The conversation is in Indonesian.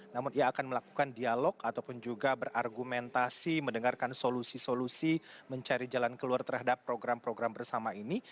namun ia akan melakukan dialog ataupun juga berargumentasi mendengarkan solusi solusi mencari jalan keluar terhadap program program bersama ini